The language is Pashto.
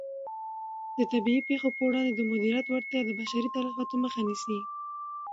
د طبیعي پېښو په وړاندې د مدیریت وړتیا د بشري تلفاتو مخه نیسي.